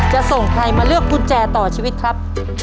จะส่งใครมาเลือกกุญแจต่อชีวิตครับ